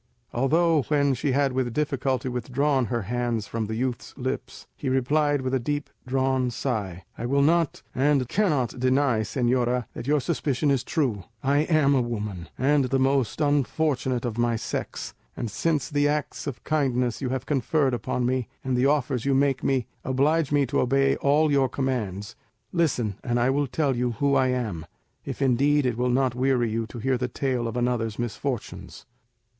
Although, when she had with difficulty withdrawn her hands from the youth's lips, he replied with a deep drawn sigh, "I will not, and cannot deny, señora, that your suspicion is true; I am a woman, and the most unfortunate of my sex; and since the acts of kindness you have conferred upon me, and the offers you make me, oblige me to obey all your commands, listen and I will tell you who I am, if indeed it will not weary you to hear the tale of another's misfortunes."